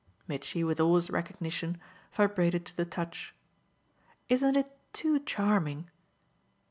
Mitchy, with all his recognition, vibrated to the touch. "Isn't it too charming?"